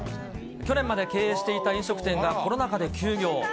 去年まで経営していた飲食店がコロナ禍で休業。